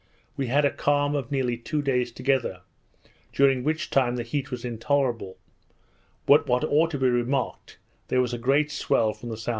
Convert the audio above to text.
we had a calm for nearly two days together, during which time the heat was intolerable; but what ought to be remarked, there was a great swell from the S.W.